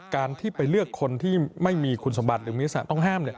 การที่ไปเลือกคนที่ไม่มีคุณสมบัติหรือมีลักษณะต้องห้าม